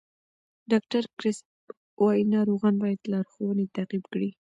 ډاکټر کریسپ وایي ناروغان باید لارښوونې تعقیب کړي.